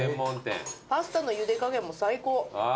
パスタのゆで加減も最高。